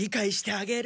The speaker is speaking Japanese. あげる。